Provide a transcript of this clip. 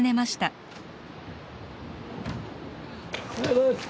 おはようございます。